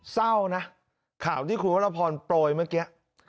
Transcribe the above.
เศร้านะข่าวที่คุณวรพรโปรยเมื่อกี้